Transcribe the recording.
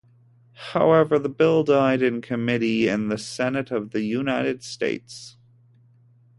However, the bill died in committee in the Senate of the United States.